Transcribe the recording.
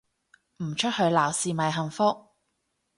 唔出去鬧事咪幸福